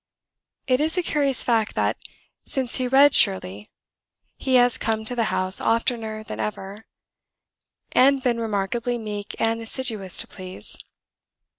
It is a curious fact that, since he read 'Shirley,' he has come to the house oftener than ever, and been remarkably meek and assiduous to please.